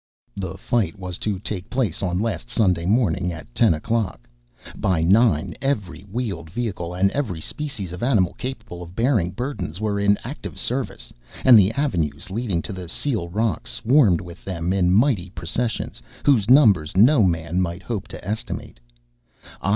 The fight was to take place on last Sunday morning at ten o'clock. By nine every wheeled vehicle and every species of animal capable of bearing burthens, were in active service, and the avenues leading to the Seal Rock swarmed with them in mighty processions whose numbers no man might hope to estimate.